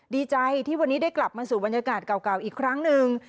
ดีใจที่วันนี้ได้กลับมาสู่บรรยากาศเก่าอีกครั้งหนึ่ง